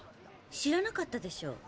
知らなかったでしょ？